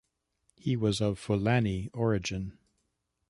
He was of Fulani origin.